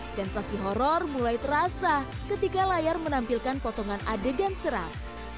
sensasi horror mulai terasa ketika layar menampilkan potongan adegan seram